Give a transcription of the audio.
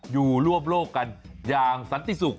อยู่ร่วมโลกกันอย่างสันติสุข